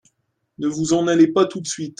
ne vous en allez pas tout de suite.